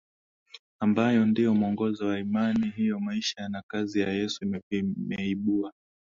ambayo ndiyo mwongozo wa imani hiyo Maisha na kazi ya Yesu vimeibua